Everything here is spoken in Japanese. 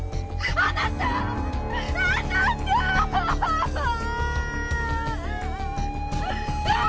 あなたー！